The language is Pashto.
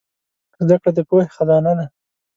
زدهکړه د پوهې خزانه ده.